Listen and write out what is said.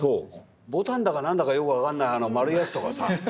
ボタンだか何だかよく分かんないあの丸いやつとかさ。